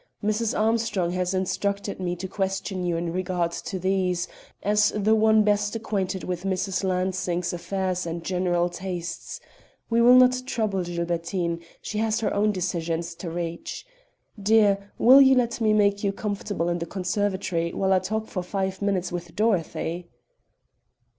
Mrs. Armstrong has instructed me to question you in regard to these, as the one best acquainted with Mrs. Lansing's affairs and general tastes. We will not trouble Gilbertine. She has her own decisions to reach. Dear, will you let me make you comfortable in the conservatory while I talk for five minutes with Dorothy?"